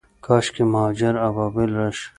کاشکي مهاجر ابابیل راشي